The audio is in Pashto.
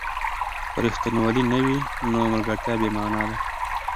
که ریښتینولي نه وي، نو ملګرتیا بې مانا ده.